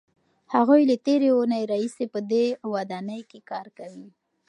هغوی له تېرې اوونۍ راهیسې په دې ودانۍ کار کوي.